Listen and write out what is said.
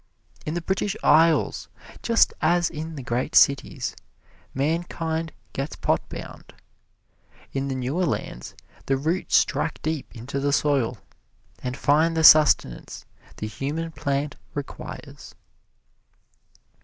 In the British Isles, just as in the great cities, mankind gets pot bound. In the newer lands, the roots strike deep into the soil, and find the sustenance the human plant requires.